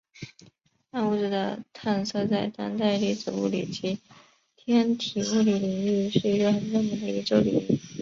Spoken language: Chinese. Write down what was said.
暗物质的探测在当代粒子物理及天体物理领域是一个很热门的研究领域。